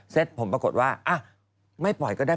เสร็จผมปรากฏว่าไม่ปล่อยก็ได้